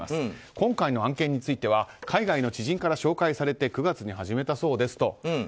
今回の案件については海外の知人から紹介されて９月に始めたそうです。